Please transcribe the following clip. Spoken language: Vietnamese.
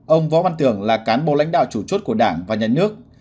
ông võ văn tưởng là cán bộ lãnh đạo chủ chốt của đảng và nhà nước